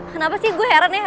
kenapa sih gue heran ya